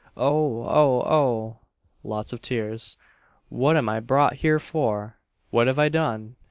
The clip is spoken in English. Oh! oh! oh!" (Lots of tears.) "What am I brought here for? What have I done?